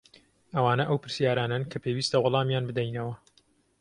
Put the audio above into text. ئەوانە ئەو پرسیارانەن کە پێویستە وەڵامیان بدەینەوە.